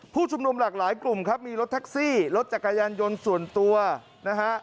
ผู้ชุมนุมหลากหลายกลุ่มครับมีรถแท็กซี่รถจักรยานยนต์ส่วนตัวนะฮะ